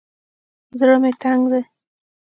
زړه مې تنګ دى.